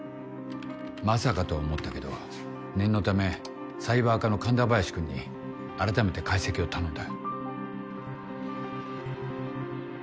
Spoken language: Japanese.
まさかとは思ったけど念のためサイバー課の神田林君に改めて解析を頼んだ。